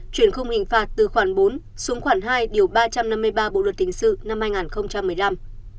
chuyển không hình phạt từ khoản bốn xuống khoản hai điều ba trăm năm mươi ba bộ luật tình sự năm hai nghìn một mươi năm